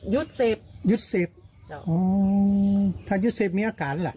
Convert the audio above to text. ยุดเสพยุดเสพอ๋อถ้ายุดเสพมีอาการหรือล่ะ